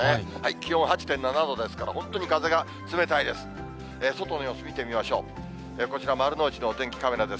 気温８．７度ですから、本当に風が冷たいです。